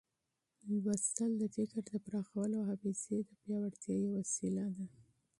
مطالعه د فکر د پراخولو او حافظې د پیاوړتیا یوه وسیله ده.